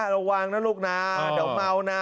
ระวังนะลูกนะเดี๋ยวเมานะ